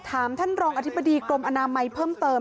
ถามท่านรองอธิบดีกรมอนามัยเพิ่มเติม